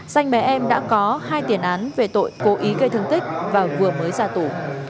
danh bé em đã có hai tiền án về tội cố ý gây thương tích và vừa mới ra tù